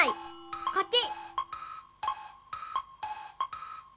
こっち！